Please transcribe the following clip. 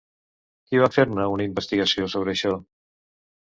Qui va fer-ne una investigació sobre això?